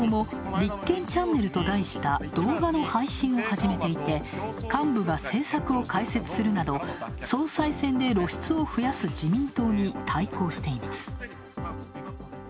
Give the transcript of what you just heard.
立憲民主党も、りっけんチャンネルと題した動画の配信を始めていて、幹部が動画で政策を解説するなど総裁選で露出を増やす自民党に対抗しています。